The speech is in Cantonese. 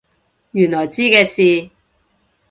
原來知嘅事？